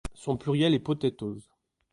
Son pluriel est potatoes.